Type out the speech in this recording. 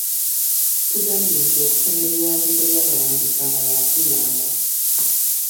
Tugambye nti okusoma ebiwandiiko by’abawandiisi abalala kuyamba.